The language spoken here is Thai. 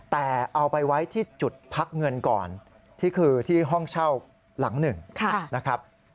แต่เอาไปไว้ที่จุดพักเงินก่อนที่คือที่ห้องเช่าหลังหนึ่งนะครับ